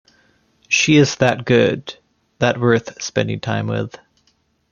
She is that good, that worth spending time with.